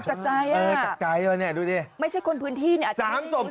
จากใจอ่ะไม่ใช่คนพื้นที่เนี่ยอาจจะไม่ได้รู้สึกค่ะโอ้โฮจากใจว่ะนี่ดูนี่